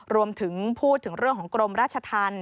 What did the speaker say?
รวมถึงพูดถึงเรื่องของกรมราชธรรม